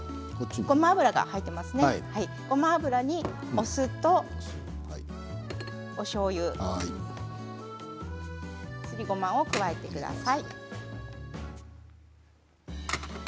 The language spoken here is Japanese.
ここにお酢とおしょうゆすりごまを加えてください。